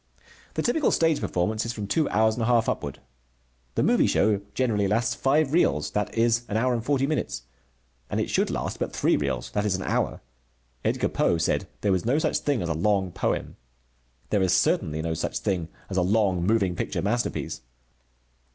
The typical stage performance is from two hours and a half upward. The movie show generally lasts five reels, that is, an hour and forty minutes. And it should last but three reels, that is, an hour. Edgar Poe said there was no such thing as a long poem. There is certainly no such thing as a long moving picture masterpiece.